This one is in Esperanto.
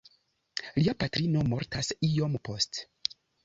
Lia patrino mortas iom poste.